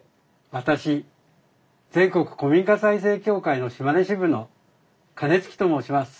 私全国古民家再生協会の島根支部の金築と申します。